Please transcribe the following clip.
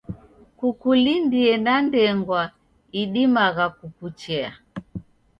Kukulindie na ndengwa idimagha kukuchea.